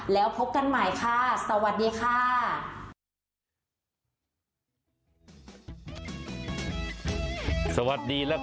แล้วพบกันใหม่ค่ะสวัสดีค่ะ